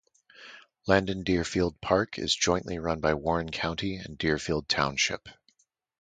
Landen Deerfield park is jointly run by Warren County and Deerfield Township.